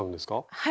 はい。